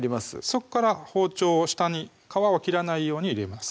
そこから包丁を下に皮を切らないように入れます